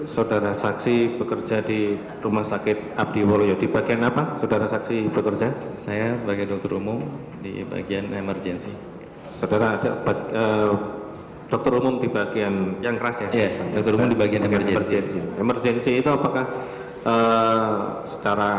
saksi bekerja saya sebagai dokter umum di bagian tech